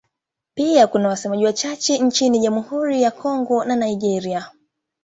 Pia kuna wasemaji wachache nchini Jamhuri ya Kongo na Nigeria.